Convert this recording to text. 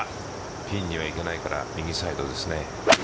ピンにはいけないから右サイドですね。